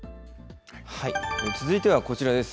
続いてはこちらです。